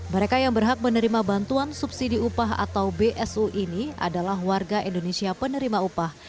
mereka yang berhak menerima bantuan subsidi upah atau bsu ini adalah warga indonesia penerima upah